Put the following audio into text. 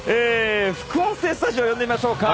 副音声スタジオ呼んでみましょうか。